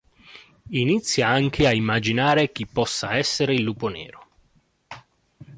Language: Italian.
Inizia anche a immaginare chi possa essere il Lupo Nero.